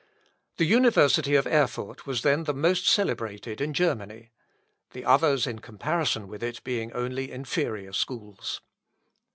The University of Erfurt was then the most celebrated in Germany, the others in comparison with it being only inferior schools.